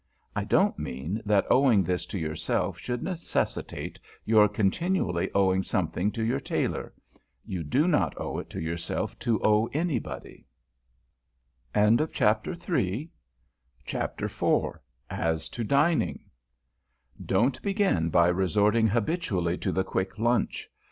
I don't mean that owing this to yourself should necessitate your continually owing something to your tailor. You do not owe it to yourself to owe anybody. AS TO DINING [Sidenote: YOUR DINING PLACE] DON'T begin by resorting habitually to the Quick Lunch.